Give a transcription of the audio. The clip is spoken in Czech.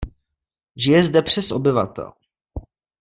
Žije zde přes obyvatel.